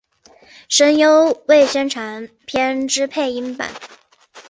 声优为宣传片之配音版。